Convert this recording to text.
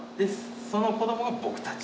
その子どもが僕たち。